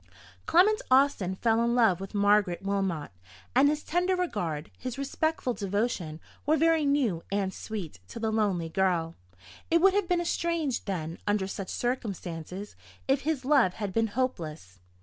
Clement Austin fell in love with Margaret Wilmot; and his tender regard, his respectful devotion, were very new and sweet to the lonely girl. It would have been strange, then, under such circumstances, if his love had been hopeless.